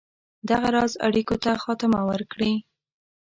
دغه راز اړېکو ته خاتمه ورکړي.